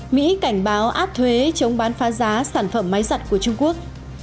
mỹ cảnh báo áp thuế chống bán phá giá sản phẩm máy giặt của trung quốc